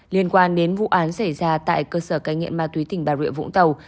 liên quan đến vụ án xảy ra tại cơ sở cai nghiện ma túy tỉnh bà rịa vũng tàu